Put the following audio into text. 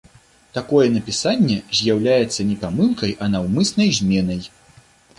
Такое напісанне з'яўляецца не памылкай, а наўмыснай зменай.